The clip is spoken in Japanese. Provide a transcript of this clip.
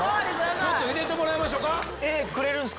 ちょっと入れてもらいましょうか。